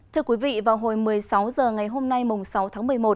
thưa quý vị vào hồi một mươi sáu h ngày hôm nay mùng sáu tháng một mươi một